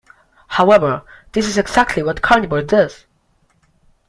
However, this is exactly what Carnivore does.